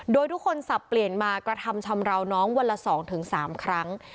โดยทุกคนสับเปลี่ยนมากระทำชำราวน้องวันละ๒๓ครั้ง